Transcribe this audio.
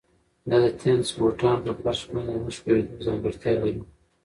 دا د تېنس بوټان په فرش باندې د نه ښویېدو ځانګړتیا لري.